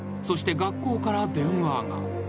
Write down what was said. そして学校から電話が］